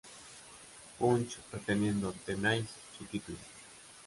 Punch, reteniendo The Miz su título.